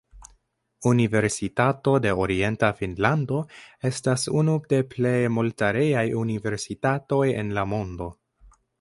Universitato de Orienta Finnlando estas unu de plej multareaj universitatoj en la mondo.